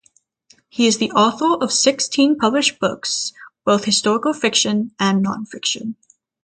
He is the author of sixteen published books, both historical fiction and non-fiction.